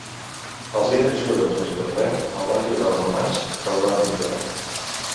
Els líders jueus de Jerusalem el van lliurar als romans, que el van torturar.